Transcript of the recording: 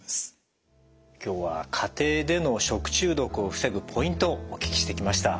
今日は家庭での食中毒を防ぐポイントをお聞きしてきました。